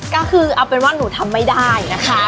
ก็คือเอาเป็นว่าหนูทำไม่ได้นะคะ